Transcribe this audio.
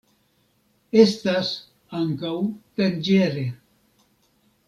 Estas ankaŭ danĝere.